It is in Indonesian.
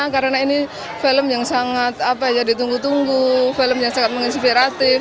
karena ini film yang sangat ditunggu tunggu film yang sangat menginspiratif